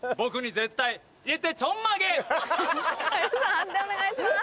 判定お願いします。